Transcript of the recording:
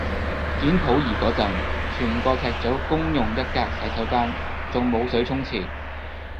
演溥儀個陣，全個劇組公用一格洗手間，仲冇水沖廁